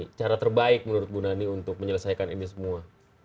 ini cara terbaik menurut bu nani untuk menyelesaikan ini semua